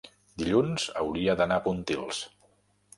dilluns hauria d'anar a Pontils.